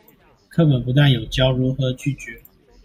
課本不但有教如何拒絕